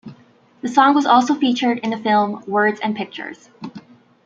The song was also featured in the film Words and Pictures.